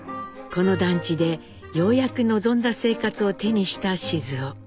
この団地でようやく望んだ生活を手にした雄。